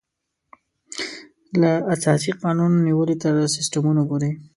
له اساسي قانون نېولې تر سیسټمونو پورې.